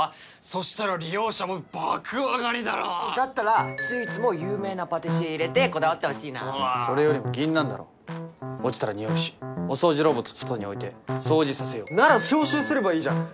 そしたら利用者も爆上がりだろだったらスイーツも有名なパティシエ入れてこだわってほしいなそれよりもギンナンだろ落ちたら臭うしお掃除ロボット外に置いて掃除させようなら消臭すればいいじゃん